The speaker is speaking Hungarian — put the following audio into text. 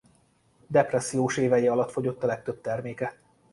Depressziós évei alatt fogyott a legtöbb terméke.